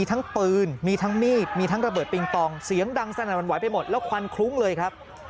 ทั้งปืนมีทั้งมีดมีทั้งระเบิดปิงปองเสียงดังสนั่นวันไหวไปหมดแล้วควันคลุ้งเลยครับ